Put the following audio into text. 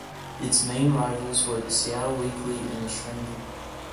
Its main rivals were the "Seattle Weekly" and "The Stranger".